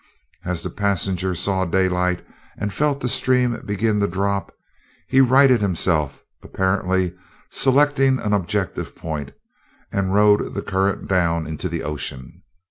As the passenger saw daylight and felt the stream begin to drop, he righted himself, apparently selecting an objective point, and rode the current down into the ocean.